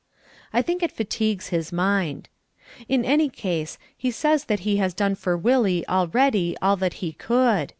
I think it fatigues his mind. In any case, he says that he has done for Willie already all that he could.